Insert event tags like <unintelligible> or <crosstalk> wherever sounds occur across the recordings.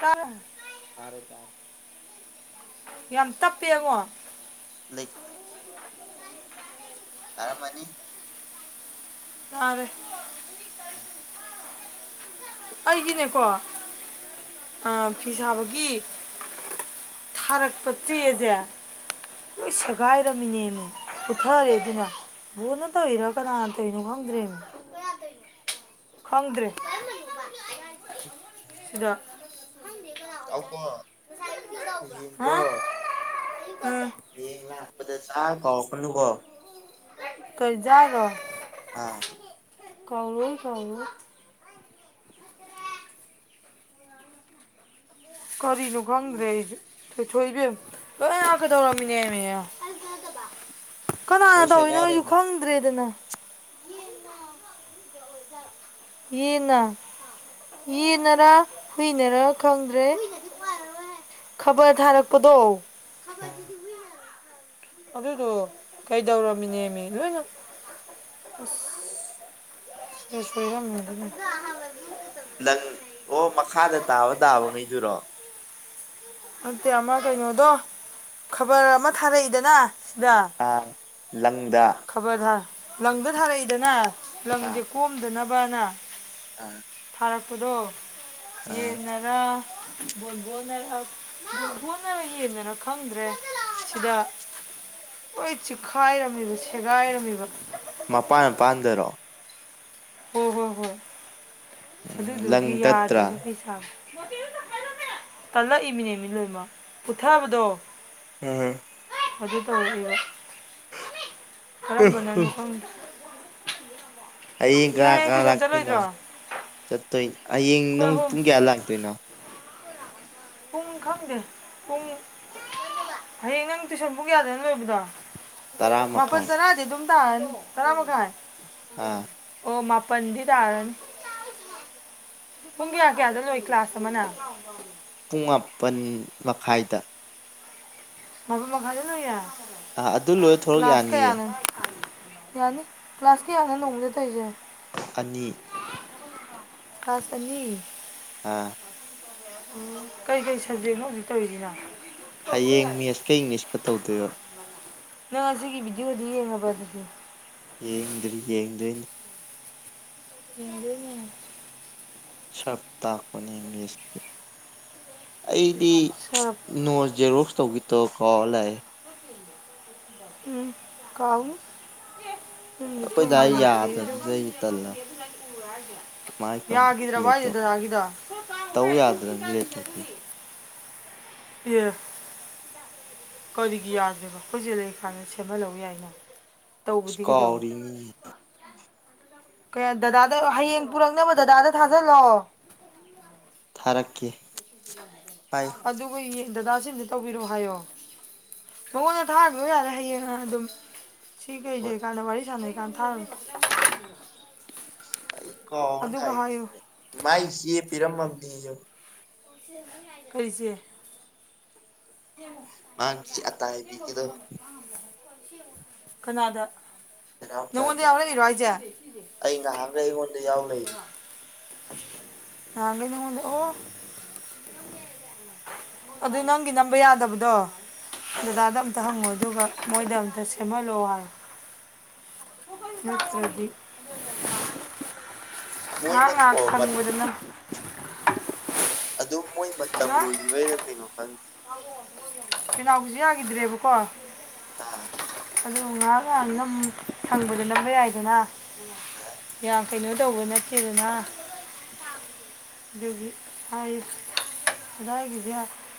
ꯍꯥ ꯇꯥꯔꯦ ꯇꯥꯔꯦ ꯌꯥꯝ ꯇꯞꯄꯦ ꯑꯉꯣ ꯂꯩ ꯈ ꯇꯔꯝꯃꯅꯤ ꯇꯥꯔꯦ ꯑꯩꯒꯤꯅꯦꯀꯣ ꯑ ꯐꯤ ꯁꯥꯕꯒꯤ ꯊꯥꯔꯛꯄ ꯆꯦ ꯁꯦ ꯂꯣꯏ ꯁꯦꯒꯥꯏꯔꯝꯃꯤꯅꯦꯃꯤ ꯄꯨꯨꯊꯔꯦ ꯀꯅꯥ ꯑꯗꯨꯅ ꯕꯨꯡꯉꯣꯅ ꯇꯧꯋꯤꯔ ꯀꯥꯅ ꯇꯧꯔꯤ ꯅꯣ ꯈꯪꯗꯦꯃꯤ ꯈꯪꯗ꯭ꯔꯦ ꯁꯤꯗ ꯇꯥꯎꯕ ꯒꯤ ꯍꯥ ꯀꯣ ꯑ, ꯌꯦꯡ ꯂꯥꯛꯄꯗ ꯆꯥ ꯀꯧꯔꯛꯀꯅꯨꯀꯣ ꯀꯩ ꯆꯥꯔꯤꯅꯣ ꯑꯥ ꯀꯥꯎꯅꯨ ꯀꯥꯎꯅꯨ ꯀꯔꯤꯅꯣ ꯈꯪꯗ꯭ꯔꯦ ꯑꯩ ꯀꯊꯣꯏꯕꯦꯝ ꯂꯣꯏ ꯀꯗꯧꯔꯝꯃꯤꯅꯦꯝꯃꯦ <inaudible> ꯀꯅꯥꯅ ꯂꯣꯏ ꯇꯧꯏꯤꯅꯣ ꯑꯩꯁꯨ ꯁꯦꯒꯥꯏꯔꯅꯤ ꯈꯪꯗ꯭ꯔꯦꯗꯅ ꯌꯦꯟꯅ ꯌꯦꯟꯅꯔ ꯍꯨꯏꯅꯔ ꯈꯪꯗ꯭ꯔꯦ ꯈꯕꯔ ꯊꯥꯔꯛꯄꯗꯣ ꯑꯗꯨꯗꯣ ꯀꯩꯗꯧꯔꯝꯃꯤꯅꯦꯃꯤ ꯂꯣꯏꯅ ꯑꯁ ꯐꯤꯁꯦ ꯁꯣꯢꯔꯝꯃꯦꯅꯦ ꯂꯪ ꯑꯣ ꯃꯈꯥꯗ ꯇꯥꯑꯣ ꯇꯥꯕꯅꯤꯗꯨꯨꯔꯣ ꯅꯠꯇꯦ ꯑꯃ ꯀꯩꯅꯣꯗꯣ ꯈꯕ꯭ꯔ ꯑꯃ ꯊꯥꯔꯛꯏꯗꯅ ꯁꯤꯗ ꯑꯥ ꯂꯪꯗ ꯈꯕꯔ ꯊꯥ ꯂꯪꯗ ꯊꯥꯔꯛꯏꯗꯅ ꯂꯪꯁꯦ ꯑꯥ ꯀꯣꯝꯗꯅꯕꯅ ꯑꯥ ꯊꯥꯔꯛꯄꯗꯣ ꯑꯥ ꯌꯦꯟꯅꯔꯥ ꯕꯣꯕꯣꯅꯔ ꯈꯪ ꯕꯣꯟꯕꯣꯟ ꯅꯔ ꯌꯦꯟꯅꯔ ꯈꯪꯗ꯭ꯔꯦ ꯁꯤꯗ ꯂꯣꯏ ꯆꯤꯈꯥꯏꯔꯝꯃꯤꯕ ꯁꯦꯒꯥꯏꯔꯝꯃꯤꯕ ꯃꯄꯥꯟ ꯃꯄꯥꯟꯗꯔꯣ ꯍꯣꯏ ꯍꯣꯏ ꯍꯣꯢ ꯎꯝ ꯂꯪ ꯑꯗꯨꯗꯨꯒꯤ ꯇꯠꯇ꯭ꯔꯥ ꯌꯥꯗ꯭ꯔꯤꯕ ꯄꯩꯁꯥꯁꯦ ꯇꯜꯂꯛꯏꯃꯤꯅꯦ ꯃꯤ ꯂꯣꯏꯃ ꯄꯨꯊꯔꯕꯗꯣ ꯎꯝ ꯑꯗꯨ ꯇꯧ ꯀꯔꯝꯕꯅꯣ ꯈꯪꯗꯦ ꯍꯌꯦꯡ ꯅꯪ ꯀꯅꯥ ꯀꯅꯥ ꯇꯨꯏꯁꯟ ꯂꯥꯛꯇꯣꯏꯅꯣ ꯆꯠꯂꯣꯏꯗ꯭ꯔꯣ ꯆꯠꯇꯣꯏ ꯍꯌꯦꯡ ꯑꯩꯈꯣꯏ ꯅꯠ ꯑꯍꯨꯝ ꯄꯨꯡ ꯀꯌꯥ ꯂꯥꯛꯇꯣꯏꯅꯣ ꯄꯨꯡ ꯈꯪꯗꯦ ꯄꯨꯡ ꯍꯌꯦꯡ ꯅꯪ ꯇꯨꯏꯁꯟ ꯄꯨꯡ ꯌꯥꯗꯅ ꯂꯣꯏꯕꯗꯣ ꯇꯔꯥ ꯃꯥꯄꯟ ꯃꯈꯥꯏ ꯇꯥꯔꯗꯤ ꯑꯗꯨꯝ ꯇꯥꯔꯅꯤ ꯇꯔꯥ ꯃꯈꯥꯏ ꯑꯥ ꯑꯣ ꯃꯥꯄ ꯄꯟꯗꯤ ꯇꯥꯔꯅꯤ ꯄꯨꯡ ꯀꯌꯥ ꯀꯌꯥꯗ ꯂꯣꯏ ꯀ꯭ꯂꯥꯁ ꯑꯃꯅ ꯄꯨꯡ ꯃꯥꯄꯟ ꯃꯈꯥꯏꯗ ꯃꯄꯟ ꯃꯈꯥꯏꯗ ꯂꯣꯏꯌꯦ ꯑ ꯑꯗꯨ ꯂꯣꯏ ꯊꯣꯔꯛ ꯀ꯭ꯂꯥꯁ ꯌꯥꯅꯤꯌꯦ ꯀꯌꯥꯅꯣ ꯌꯥꯅꯤ ꯀ꯭ꯂꯥꯁ ꯀꯌꯥꯅꯣ ꯅꯪꯡꯃꯗ ꯇꯧꯋꯤꯁꯦ ꯑꯅꯤ ꯀꯂꯥꯁ ꯑꯅꯤ ꯑꯥ ꯎꯝ ꯀꯩꯀꯩ ꯁꯕꯖꯦꯛꯅꯣ ꯍꯧꯖꯤꯛ ꯇꯧꯔꯤꯁꯤꯅ ꯍꯌꯦꯡ ꯃꯦꯁ ꯀ ꯢꯤꯡꯂꯤꯁꯀ ꯇꯧꯗꯣꯏꯕ ꯅꯪ ꯑꯁꯤꯒꯤ ꯚꯤꯗꯤꯑꯣꯗꯤ ꯌꯦꯡꯉꯕ ꯌꯦꯡꯗ꯭ꯔꯤ ꯌꯦꯡꯗꯣꯢꯅꯦ ꯌꯦꯡꯗꯣꯢꯅꯦ ꯁꯞ ꯇꯥꯛꯄꯅꯦ ꯃꯦꯁꯀꯤ ꯑꯩꯗꯤ ꯁꯔꯞ ꯅꯣ ꯖꯦꯔꯣꯛꯁ ꯇꯧꯉꯦ ꯇꯧꯔ ꯀꯥꯎꯔ ꯂꯥꯛꯑꯦ ꯎꯝ ꯀꯥꯎꯅꯤ ꯎꯝꯗ ꯑꯩꯈꯣꯏ ꯗꯥ ꯇꯨꯝꯃ ꯂꯩꯇꯤꯔ ꯗ ꯌꯥꯗꯕꯁꯤꯗ ꯇꯜꯂ ꯃꯥꯏ <unintelligible> ꯇꯧ ꯌꯥꯗ꯭ꯔꯅꯤ ꯂꯦꯊꯣꯛꯄꯤ ꯌꯦ ꯀꯔꯤꯒꯤ ꯌꯥꯗꯔꯤꯕ ꯑꯩꯈꯣꯏꯁꯦ ꯂꯩꯔꯤ ꯀꯥꯟꯗ ꯁꯦꯝꯍꯜꯂꯧꯎ ꯌꯥꯏꯅꯣ ꯢꯁ ꯀꯥꯥꯎꯔꯤꯅꯤ ꯀ ꯗꯗꯥꯗ ꯍꯌꯦꯡ ꯄꯨꯔꯛꯅꯕ ꯗꯗꯥꯗ ꯊꯥꯖꯤꯜꯂꯣ ꯑꯣꯀꯦ ꯑꯗꯨꯒ ꯌꯦꯡ ꯗꯗꯥꯁꯤ ꯑꯝꯇ ꯇꯧꯕꯤꯔꯣ ꯍꯥꯏꯌꯣ ꯃꯉꯣꯟꯗ ꯊꯥꯉꯔꯣ ꯌꯥꯔꯦ ꯍꯌꯦꯡ ꯑꯗꯨꯝ ꯁꯤ ꯀꯩꯖ ꯍꯣꯏ ꯀꯥꯟꯗ ꯋꯥꯔꯤ ꯁꯥꯟꯅꯔꯤ ꯀꯥꯟꯗ ꯊꯥꯒꯔꯣ ꯑꯩ ꯀꯧꯔ ꯂꯛꯢꯅꯦ ꯃꯥꯏ ꯆꯦ ꯄꯤꯔꯝꯃꯝꯕꯅꯦꯌꯣ ꯀꯔꯤ ꯆꯦ ꯃꯥꯒꯤ ꯑꯇꯥꯏꯕꯤꯒꯤꯗꯣ ꯀꯅꯥꯗ ꯅꯅꯥꯎ ꯅꯪꯉꯣꯟꯗ ꯆꯥꯗ ꯌꯥꯎꯔꯛꯏꯔꯣ ꯍꯥꯏꯁꯦ ꯑꯩ ꯉꯍꯥꯟꯈꯩ ꯑꯩꯉꯣꯟꯗ ꯌꯥꯎ ꯂꯩꯅꯤ ꯅꯍꯟꯒꯦ ꯅꯪꯑꯣꯟꯗ ꯑꯣ ꯑꯗꯨ ꯅꯪꯒꯤ ꯅꯝꯕ ꯌꯥꯗꯕꯗꯣ ꯗꯗꯥꯗ ꯑꯝꯇ ꯍꯪꯉꯣ ꯑꯗꯨꯒ ꯃꯣꯏꯗ ꯑꯝꯇ ꯁꯦꯝꯍꯜꯂꯛꯑꯣ ꯍꯥꯏꯌꯦ ꯅꯠꯇ꯭ꯔꯗꯤ ꯉꯥꯍꯛ ꯃꯣꯏꯅ ꯀꯣ ꯉꯥꯍꯛ ꯁꯪꯉꯨꯗꯅ ꯑꯗꯨꯝ ꯃꯣꯏ ꯃꯇꯝ ꯂꯣꯏꯈꯤꯕꯩꯩꯔ ꯀꯩꯅꯣ ꯈꯪꯗꯦ ꯀꯦꯅꯥꯎ ꯒꯤꯖꯨ ꯌꯥꯈꯤꯗ꯭ꯔꯦꯕꯀꯣ ꯑꯥ ꯑꯗꯨ ꯉꯥꯏꯍꯥꯛ ꯉꯥꯏꯍꯥꯛ ꯅꯝ ꯐꯪꯕꯗ ꯅꯝꯕ ꯌꯥꯏꯗꯅ ꯌꯥꯝ ꯀꯩꯅꯣ ꯇꯧꯕ ꯅꯠꯇꯦꯗꯅ ꯑꯗꯨꯒꯤ ꯍꯥꯏ ꯗꯥꯗꯥ ꯑꯩꯒꯤꯖꯦ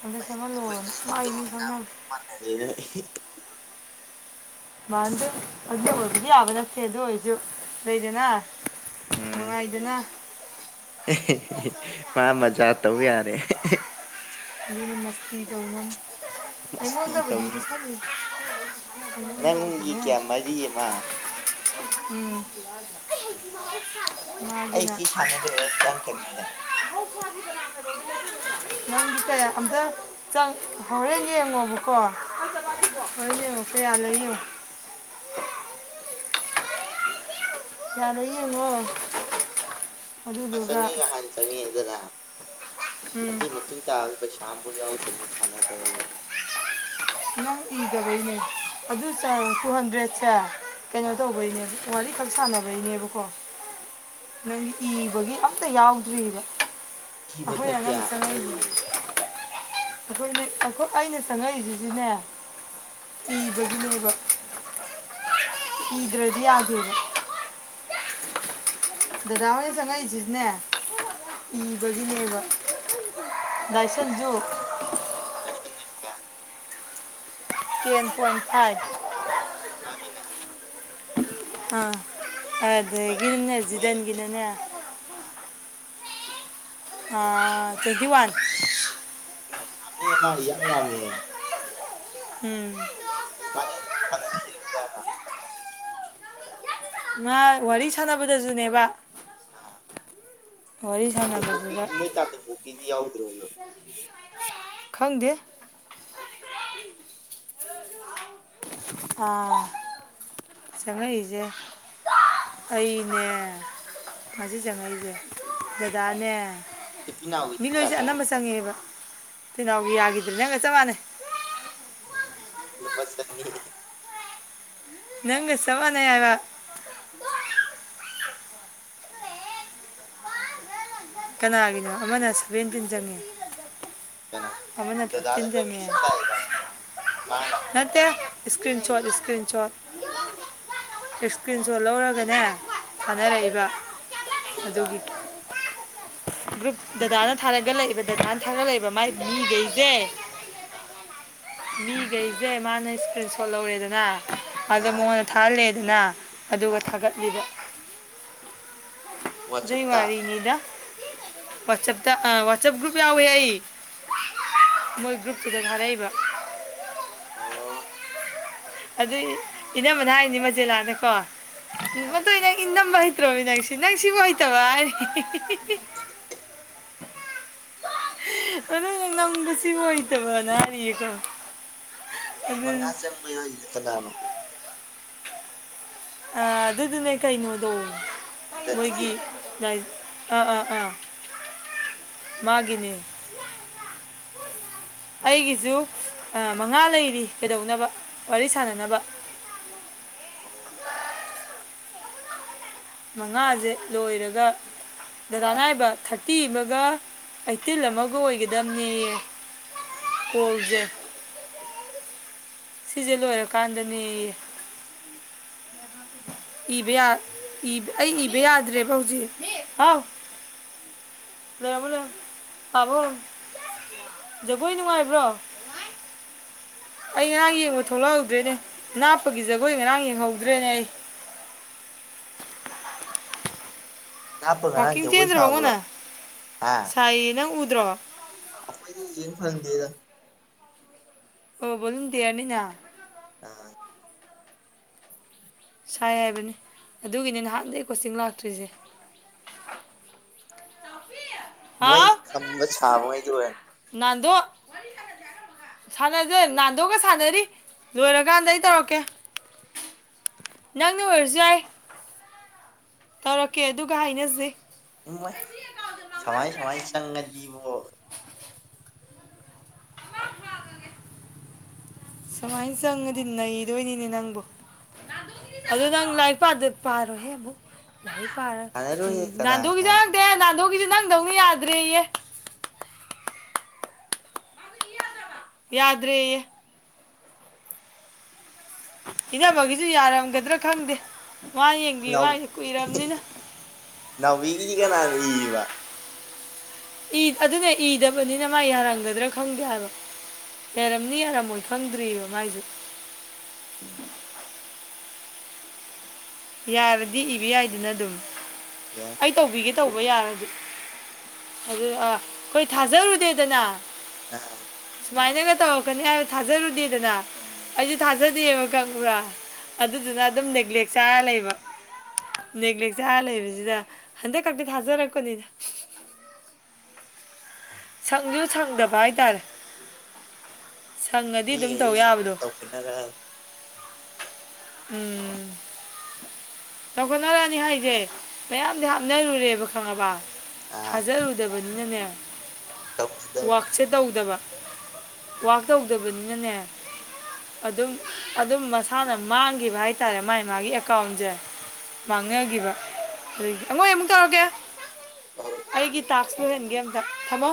ꯑꯝꯇ ꯁꯦꯝꯂꯜ ꯂꯛꯑꯣꯅ ꯑꯩꯈꯣꯏꯒ ꯍꯥꯏꯗꯤ ꯃꯥ ꯃꯤ ꯇꯣꯂꯣꯞ ꯆꯥꯕ ꯈꯪꯅꯕꯅꯦ ꯆꯞ ꯃꯥꯟꯅꯔꯦꯅꯦ ꯃꯥꯟꯗꯦ ꯑꯗꯨ ꯑꯣꯏꯕꯗꯤ ꯌꯥꯕ ꯅꯠꯇꯦ ꯑꯗꯨ ꯑꯣꯏꯔꯁꯨ ꯂꯩꯗꯅ ꯅꯨꯡꯉꯥꯏꯗꯅ ꯍꯦꯍꯦ ꯃꯥ ꯃꯆꯖꯥ ꯇꯧ ꯌꯥꯔꯦ ꯑꯗꯨ ꯃꯁꯇꯤ ꯇꯧꯕ ꯃꯁꯇꯤ ꯑꯩꯉꯣꯟꯗ ꯍꯧꯖꯤꯛ ꯇꯧꯅ ꯄꯤꯁꯤꯟꯂꯨ ꯅꯪꯒꯤ ꯀꯌꯥ ꯃꯔꯤ ꯑꯃ ꯎꯝ ꯑꯩ ꯃꯥꯒꯤꯅ ꯁꯤ ꯁꯥꯟꯅ ꯂꯣꯏꯔ ꯆꯪꯈ꯭ꯔꯅꯤꯅꯦ ꯅꯪꯗꯤ ꯀꯌꯥ ꯑꯝꯇ ꯆꯪ ꯍꯣꯔꯦꯟ ꯌꯦꯡꯉꯣꯕꯀꯣ ꯑꯣꯏ ꯀꯩꯌꯥ ꯂꯩꯏꯒꯦ ꯌꯦꯡꯉꯣ ꯍꯣꯏ ꯌꯥꯔ ꯌꯦꯡꯉꯣ ꯑ ꯂꯨꯄꯥ ꯑꯗꯨꯗꯨꯒ ꯆꯅꯤꯒ ꯍꯥꯟ ꯆꯪꯉꯛꯑꯦꯗꯅ ꯎꯝ ꯑꯗꯨꯏ ꯃꯇꯨꯡ ꯇꯥꯕꯗꯤ ꯄꯩꯁꯥ ꯑꯃꯕꯧ ꯌꯥꯎꯗꯝꯅꯦ ꯁꯥꯟꯅꯗꯕꯒꯤ ꯅꯪ ꯏꯗꯕꯩꯅꯦ ꯑꯗꯨ ꯆꯥꯡ ꯇꯨ ꯍꯟꯗ꯭ꯔꯦꯗꯁꯦ ꯀꯩꯅꯣ ꯇꯧꯕꯩꯅꯦꯕ ꯋꯥꯔꯤꯈꯛ ꯁꯥꯟꯅꯕꯩꯅꯦꯕꯀꯣ ꯅꯪ ꯏꯕꯒꯤ ꯑꯝꯇ ꯌꯥꯎꯗ꯭ꯔꯤꯑꯕ ꯑꯩꯈꯣꯏ ꯄꯤꯕꯗ ꯀꯌꯥ ꯑꯉꯕ ꯑꯃ ꯆꯪꯉꯛꯏꯁꯦ ꯌꯦꯡꯉꯦ ꯑꯩꯈꯣꯏ ꯅꯣꯢ ꯑꯩꯅ ꯆꯪꯉꯛꯏꯁꯤꯗꯤꯅꯦ ꯑ ꯏꯕꯒꯤꯅꯦꯕ ꯏꯗ꯭ꯔꯗꯤ ꯌꯥꯗꯦꯕ ꯗꯥꯗꯥ ꯍꯣꯏꯅ ꯆꯪꯉꯛꯏꯁꯤꯖꯨꯅꯦ ꯏꯕꯒꯤꯅꯦꯕ ꯂꯥꯏꯁꯦꯟ ꯁꯨ ꯂꯥꯏꯁꯟꯅ ꯀꯌꯥ ꯇꯦꯟ ꯄꯣꯏꯟ ꯐꯥꯏꯐ ꯃꯥꯒꯤꯅ ꯑꯥ ꯑꯗꯒꯤꯅꯦ ꯃꯣꯏ ꯖꯤꯗꯟꯒꯤꯅꯅꯦ ꯑꯥ ꯇ꯭ꯋꯦꯟꯇꯤ ꯋꯥꯟ ꯃꯥꯏ ꯌꯥꯃꯤꯍꯦ ꯃꯥ ꯏꯌꯥꯝ ꯌꯥꯃꯤꯍꯦ ꯎꯝ ꯃꯥ ꯁꯂꯅꯁꯤ ꯗꯔ ꯃꯥ ꯋꯥꯔꯤ ꯁꯥꯟꯅꯕꯗꯁꯨꯅꯦꯕ ꯑꯥ ꯋꯥꯔꯤ ꯑꯇꯣ ꯁꯥꯟꯅꯕꯗꯨꯗ ꯍꯣꯀꯤꯗꯤ ꯃꯣꯏ ꯇꯥꯇꯣ ꯑꯣ ꯍꯣꯀꯤꯗꯤ ꯌꯥꯎꯗ꯭ꯔꯦꯅꯦ ꯈꯪꯗꯦ ꯑꯥ ꯆꯪꯉꯛꯏꯁꯦ ꯑꯩꯅꯦ ꯉꯁꯤ ꯆꯪꯉꯛꯏꯁꯦ ꯗꯥꯗꯥꯅꯦ ꯏꯆꯤꯟ ꯏꯅꯥꯎꯒꯤꯗꯤ ꯀꯌꯥ ꯃꯤꯂꯣꯏꯁꯦ ꯑꯅꯝꯕ ꯆꯪꯉꯛꯀꯦ ꯆꯪꯉꯦꯕ ꯁꯤꯅꯥꯎꯒꯤ ꯌꯥꯈꯤꯗꯔꯦ ꯅꯪꯒ ꯆꯞ ꯃꯥꯅꯩ ꯂꯨꯄꯥ ꯆꯥꯅꯤ ꯅꯪꯒ ꯆꯕ ꯃꯥꯟꯅꯩ ꯍꯥꯏꯕ ꯀꯅꯥꯒꯤꯅꯣ ꯑꯃꯅ ꯁꯚꯦꯟꯇꯤꯟ ꯆꯪꯉꯤ ꯀꯅꯥ ꯑꯃꯅ ꯗꯗꯥꯗ ꯐꯤꯞꯇꯤꯟ ꯂꯣꯏ ꯆꯪꯉꯦ ꯃꯦꯁꯦꯖ ꯂꯥꯛꯏꯔꯕ ꯃꯥꯅ ꯅꯠꯇꯦ ꯍꯥꯞꯄꯅꯤꯅ ꯏꯁꯀ꯭ꯔꯤꯟ ꯁꯣꯠ ꯏꯁꯀ꯭ꯔꯤꯟ ꯁꯣꯠ ꯏꯁꯀ꯭ꯔꯤꯟ ꯑꯣ ꯁꯣꯠ ꯂꯧꯔꯒꯅꯦ ꯑꯥ ꯊꯥꯅꯔꯛꯏꯕ ꯒ꯭ꯔꯨꯞꯇ ꯑꯗꯨꯒꯤ ꯒ꯭ꯔꯨꯞ ꯗꯥꯗꯥꯅ ꯊꯥꯒꯠꯂꯛꯏꯕ ꯗꯥꯗꯥꯅ ꯊꯥꯔꯠꯂꯛꯏꯕ ꯃꯥꯏ ꯃꯤꯈꯩꯁꯦ ꯑ ꯃꯤꯈꯩꯁꯦ ꯃꯥꯅ ꯏꯁꯀ꯭ꯔꯤꯟ ꯁꯣꯠ ꯂꯧꯔꯦꯗꯅ ꯑꯗꯣꯒ ꯑꯥ ꯃꯉꯣꯟꯗ ꯊꯥꯍꯜꯂꯛꯑꯦꯗꯅ ꯑꯗꯨꯒ ꯑꯥ ꯊꯥꯒꯠꯂꯤꯕ ꯑꯗꯨꯢ ꯋꯥꯆꯞꯇ ꯆꯥꯔꯤꯅꯤꯗ ꯋꯥꯁꯄꯇ ꯑ ꯋꯥꯁꯄ ꯒ꯭ꯔꯨꯨꯨꯞ ꯌꯥꯎꯋꯦ ꯑꯩ ꯃꯣꯏ ꯒ꯭ꯔꯨꯨꯄꯇꯨꯗ ꯊꯥꯔꯛꯏꯕ ꯑꯣ ꯑꯗꯨ ꯏꯅꯝꯃꯅ ꯍꯥꯏꯅꯤ ꯃꯆꯦꯜꯂꯥꯗꯀꯣ ꯑꯥ ꯃꯗꯨꯅꯦ ꯏꯅꯝꯕ ꯅꯠꯇ꯭ꯔꯣꯃꯤ ꯅꯪꯁꯤ ꯅꯪ ꯁꯤꯕꯨ ꯍꯇꯕ ꯍꯥꯏꯔꯤꯌꯦ ꯑꯗꯨ ꯅꯝꯕ ꯁꯤ ꯋꯥꯏ ꯇꯕꯅꯥꯔꯤ ꯀ ꯀꯨꯟ ꯃꯉꯥꯥ ꯆꯪꯕ ꯌꯥꯎꯔꯤꯁꯦ ꯀꯅꯥꯅꯣ ꯑ ꯑꯗꯨꯗꯨꯅꯦ ꯀꯩꯅꯣꯗꯣ ꯖꯤꯗꯟꯒꯤ ꯃꯣꯏꯒꯤ ꯗꯥꯢ ꯑꯥ ꯑꯥ ꯑꯥ ꯃꯥꯒꯤꯅꯦ <inaudible> ꯑꯩꯒꯤꯁꯨ ꯑ ꯃꯉꯥ ꯂꯩꯔꯤ ꯀꯩꯗꯧꯅꯕ ꯋꯥꯔꯤ ꯁꯥꯟꯅꯅꯕ <inaudible> ꯃꯉꯥꯁꯦ ꯂꯣꯏꯔꯒ ꯗꯗꯥꯅ ꯍꯥꯏꯕ ꯊꯥꯔꯇꯤ ꯑꯃꯒ ꯑꯩꯠꯇꯤꯟ ꯑꯃꯒ ꯑꯣꯏꯒꯗꯕꯅꯦꯌꯦ ꯀꯣꯜꯖꯦ ꯁꯤꯖꯦ ꯂꯣꯏꯔꯀꯥꯟꯗꯅꯦꯌꯦ ꯏꯕ ꯌꯥ ꯑꯩ ꯏꯕ ꯌꯥꯗ꯭ꯔꯦꯕ ꯍꯧꯖꯤꯛ ꯍꯥꯎ ꯂꯩꯔꯝꯃꯣ ꯂꯩꯔꯝꯃꯣ ꯄꯥꯕ ꯍꯧꯔꯝꯃꯣ ꯖꯒꯣꯏ ꯅꯨꯡꯉꯥꯏꯕ꯭ꯔꯣ ꯑꯩ ꯉꯔꯥꯡ ꯌꯦꯡꯕ ꯊꯣꯛꯂꯛꯍꯧꯗ꯭ꯔꯦꯅꯦ ꯅꯥꯞꯄꯒꯤ ꯖꯒꯣꯏ ꯉꯔꯥꯡ ꯌꯦꯡꯍꯧꯗ꯭ꯔꯦꯅꯦ ꯑꯩ <inaudible> ꯅꯥꯞꯄ ꯉꯔꯥꯡ ꯋꯥꯛꯀꯤꯡ ꯖꯒꯣꯏ ꯆꯦꯟꯗ꯭ꯔꯕꯣ ꯉꯣ ꯁꯥꯕ꯭ꯔꯣ ꯅꯪ ꯍꯥ ꯁꯥꯏ ꯅꯪ ꯎꯗ꯭ꯔꯣ ꯑꯩꯈꯣꯏꯗꯤ ꯌꯦꯡ ꯐꯪꯗꯦꯗ ꯑꯣ ꯕꯣꯂꯟꯇꯤꯌꯥꯔꯅꯤꯅ ꯑꯥ ꯁꯥꯏ ꯍꯥꯏꯕꯅꯤ ꯑꯗꯨꯒꯤꯅꯤ ꯅꯍꯥꯟꯗꯒꯤ ꯀꯣꯆꯤꯡ ꯂꯥꯛꯇ꯭ꯔꯤꯁꯦ ꯃꯣꯏ ꯍꯥꯎ ꯈꯝꯕ ꯁꯥꯕ ꯈꯩꯗꯣ ꯑꯣꯢꯔꯝ ꯗꯣ ꯁꯥꯟꯅꯁꯦ ꯅꯥꯟꯗꯣꯒ ꯁꯥꯟꯅꯔꯤ ꯂꯣꯏꯔꯀꯥꯟꯗ ꯑꯩ ꯇꯧꯔꯛꯀꯦ ꯅꯪꯅ ꯑꯣꯏꯔꯁꯨ ꯌꯥꯏ ꯇꯧꯔꯛꯀꯦ ꯑꯗꯨꯒ ꯍꯥꯏꯅꯁꯦ ꯃꯣꯢ ꯁꯃꯥꯏ ꯁꯨꯃꯥꯏ ꯆꯪꯉꯅꯤꯕꯀꯣ <inaudible> ꯁꯨꯃꯥꯏꯅ ꯆꯪꯉꯗꯤ ꯅꯩꯗꯣꯏꯅꯤꯅꯦ ꯅꯪꯕꯨ ꯑꯗꯨ ꯅꯪ ꯂꯥꯏꯔꯤꯛ ꯄꯥꯗꯨ ꯄꯥꯔꯣꯍꯦ ꯑꯃꯨꯛ ꯂꯥꯏꯔꯤꯛ ꯄꯥꯔ ꯁꯥꯟꯅꯔꯣꯏꯍꯦ ꯀꯅꯥ ꯅꯥꯟꯗꯣꯒꯤ ꯁꯥꯟꯅꯗꯣꯏꯅꯣ ꯆꯪꯂꯛꯇꯦ ꯅꯥꯟꯗꯣ ꯁꯤꯗꯤ ꯅꯪꯗꯧꯅ ꯌꯥꯗ꯭ꯔꯦꯌꯦ ꯌꯥꯗ꯭ꯔꯦꯌꯦ ꯏꯅꯝꯕꯒꯤꯁꯨ ꯌꯥꯔꯝꯒꯗ꯭ꯔꯥ ꯈꯪꯗꯦ ꯃꯥ ꯌꯦꯡꯕꯤꯌꯨ ꯏꯅꯥꯎ ꯃꯥꯁꯨ ꯀꯨꯏꯔꯕꯅꯤꯅ ꯅꯥꯎꯕꯤꯒꯤꯗꯤ ꯀꯅꯥꯅ ꯏꯕ ꯏ ꯑꯗꯨꯅꯦ ꯏꯗꯕꯅꯤꯅ ꯃꯥ ꯌꯥꯔꯝꯒꯗ꯭ꯔꯥ ꯈꯪꯗꯦ ꯍꯥꯏꯕꯣ ꯂꯩꯔꯝꯅꯤ ꯌꯥꯔꯝꯃꯣꯏ ꯈꯪꯗ꯭ꯔꯤꯑꯕ ꯃꯥꯏꯁꯦ ꯌꯥꯔꯗꯤ ꯏꯕ ꯌꯥꯏꯗꯨꯅ ꯑꯗꯨꯝ ꯌꯥꯏ ꯑꯩ ꯇꯧꯕꯤꯒꯦ ꯇꯧꯕ ꯌꯥꯔꯗꯤ ꯑꯗꯨ ꯑ ꯑꯩꯈꯣꯏ ꯊꯥꯖꯔꯨꯗꯦꯗꯅ ꯑ ꯁꯨꯃꯥꯏꯅꯒ ꯇꯧꯔꯛꯀꯅꯤ ꯍꯥꯏꯕ ꯊꯥꯖꯔꯨꯗꯦꯗꯅ ꯑꯩꯁꯨ ꯊꯥꯖꯗꯦꯕ ꯈꯪꯕ꯭ꯔ ꯑꯗꯨꯗꯨꯅ ꯑꯗꯨꯝ ꯅꯦꯒ꯭ꯂꯦꯛ ꯆꯥꯔ ꯂꯩꯕ ꯅꯦꯛꯂꯦꯛ ꯆꯔ ꯂꯩꯕꯁꯤꯗ ꯍꯟꯗꯛ ꯈꯛꯇ ꯊꯥꯖꯔꯛꯄꯅꯤꯗ <inaudible> ꯁꯪꯁꯨ ꯁꯪꯗꯕ ꯍꯥꯏꯇꯥꯔꯦ ꯃꯤ ꯁꯪꯉꯗꯤ ꯑꯗꯨꯝ ꯈꯩꯁꯦ ꯇꯧ ꯁꯨꯝ ꯌꯥꯕꯗꯣ ꯇꯧꯃꯤꯟꯅꯔꯛ ꯎꯝ ꯍꯧꯒꯠꯂꯛꯑꯅꯦ ꯍꯥꯏꯁꯦ ꯃꯌꯥꯝꯗꯤ ꯍꯥꯞꯅꯔꯨꯔꯦꯕ ꯈꯪꯉꯕ ꯑ ꯊꯥꯖꯔꯨꯗꯕꯅꯤꯅꯅꯦ ꯇꯧꯅꯗꯕꯅꯤ ꯋ꯭ꯥꯔꯛꯁꯦ ꯇꯧꯗꯕ ꯋ꯭ꯔꯥꯛ ꯇꯧꯗꯕꯅꯤꯅꯅꯦ ꯑꯗꯨꯝ ꯑꯗꯨꯝ ꯃꯁꯥꯅ ꯃꯥꯡꯈꯤꯕ ꯍꯥꯏꯇꯥꯔꯦ ꯃꯥꯥꯏ ꯃꯥꯒꯤ ꯑꯦꯀꯥꯎꯟꯁꯦ ꯃꯥꯡꯅꯈꯤꯕ ꯑꯗꯨꯒꯤ ꯑꯩ ꯑꯃꯨꯛ ꯇꯧꯔꯒꯦ ꯑꯩꯒꯤ ꯇꯥꯛꯁ ꯂꯣꯢꯍꯟꯒꯦ ꯑꯝꯇ ꯊꯝꯃꯣ